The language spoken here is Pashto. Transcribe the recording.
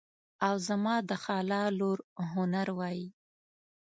او زما د خاله لور هنر وایي.